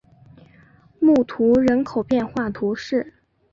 穆图人口变化图示